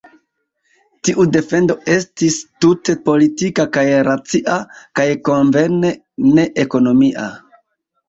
Tiu defendo estis tute politika kaj racia, kaj konvene ne-ekonomia.